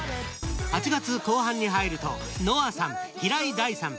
８月後半に入るとＮＯＡさん、平井大さん